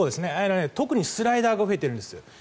特にスライダーが増えているんです。